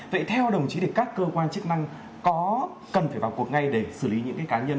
vậy theo đồng chí thì các cơ quan chức năng cần phải vào cuộc ngay để xử lý những cái cá nhân